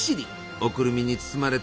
おくるみに包まれた